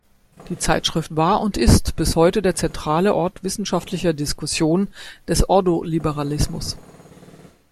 Die Zeitschrift war und ist bis heute der zentrale Ort wissenschaftlicher Diskussion des Ordoliberalismus.